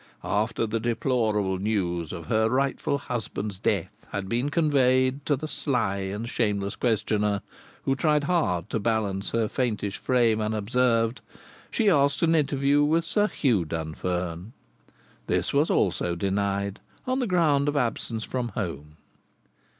After the deplorable news of her rightful husband's death had been conveyed to the sly and shameless questioner, who tried hard to balance her faintish frame unobserved, she asked an interview with Sir Hugh Dunfern. This also was denied, on the ground of absence from home.